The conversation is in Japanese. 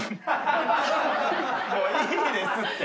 もういいですって。